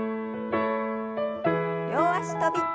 両脚跳び。